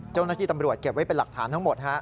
เจ้าหน้าที่ตำรวจเก็บไว้เป็นหลักฐานทั้งหมด